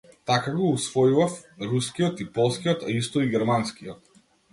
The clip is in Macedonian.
Така го усвојував рускиот и полскиот, а исто и германскиот.